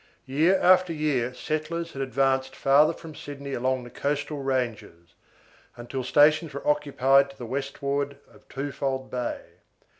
Year after year settlers had advanced farther from Sydney along the coastal ranges, until stations were occupied to the westward of Twofold Bay.